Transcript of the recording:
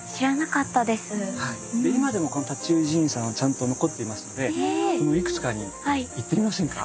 今でもこの塔頭寺院さんはちゃんと残っていますのでそのいくつかに行ってみませんか？